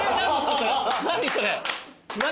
何それ何？